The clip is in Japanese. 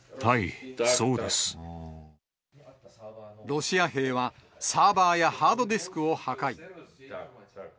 ロシア兵は、サーバーやハードディスクを破壊。